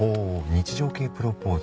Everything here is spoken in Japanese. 日常系プロポーズ。